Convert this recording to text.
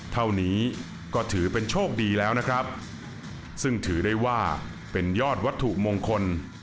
เท่านี้ก็ถือเป็นโชคดีแล้วนะครับซึ่งถือได้ว่าเป็นยอดวัตถุมงคล